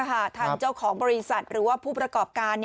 ทางเจ้าของบริษัทหรือว่าผู้ประกอบการ